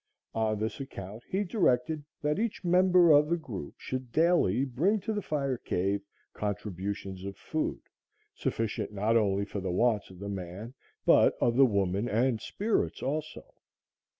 On this account he directed that each member of the group should daily bring to the fire cave contributions of food, sufficient not only for the wants of the man, but of the woman and spirits also.